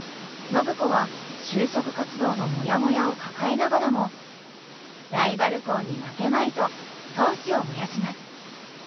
暢子は就職活動のモヤモヤを抱えながらもライバル校に負けまいと闘志を燃やします。